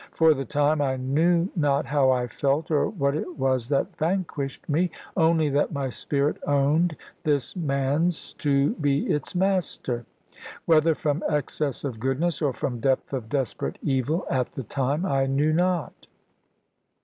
For the time, I knew not how I felt, or what it was that vanquished me; only that my spirit owned this man's to be its master. Whether from excess of goodness, or from depth of desperate evil, at the time I knew not.